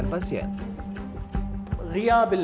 perubatan diénergie kuyus kuyus